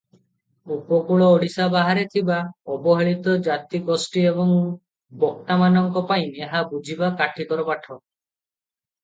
ଉପକୂଳ ଓଡ଼ିଶା ବାହାରେ ଥିବା ଅବହେଳିତ ଜାତିଗୋଷ୍ଠୀ ଏବଂ ବକ୍ତାମାନଙ୍କ ପାଇଁ ଏହା ବୁଝିବା କାଠିକର ପାଠ ।